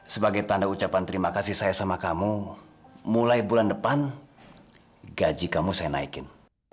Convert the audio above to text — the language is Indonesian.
sebagai tanda ucapan terima kasih saya sama kamu mulai bulan depan gaji kamu saya naikin